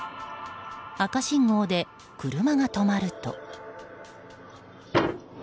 赤信号で車が止まると。